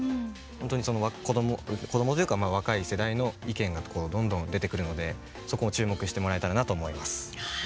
本当に、子どもというか若い世代の意見がどんどん出てくるのでそこも注目してもらえたらなと思います。